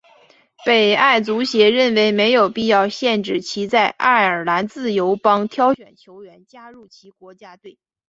北爱足协认为没有必要限制其在爱尔兰自由邦挑选球员加入其国家队。